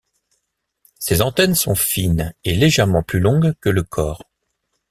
Ses antennes sont fines et légèrement plus longues que le corps.